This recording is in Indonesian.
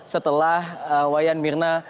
setelah wayan mirna